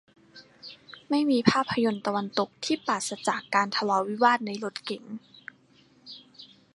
ไม่มีภาพยนตร์ตะวันตกที่ปราศจากการทะเลาะวิวาทในรถเก๋ง